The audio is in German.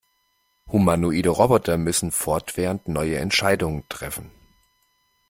Humanoide Roboter müssen fortwährend neue Entscheidungen treffen.